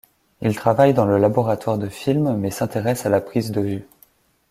Il travaille dans le laboratoire de films, mais s'intéresse à la prise de vue.